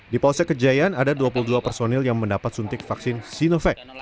di polsek kejayan ada dua puluh dua personil yang mendapat suntik vaksin sinovac